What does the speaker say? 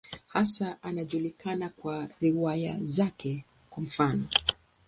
Hasa anajulikana kwa riwaya zake, kwa mfano.